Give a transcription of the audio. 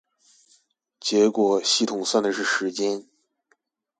結果系統算的是時間